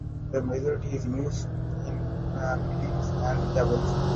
The majority is used in films and cables.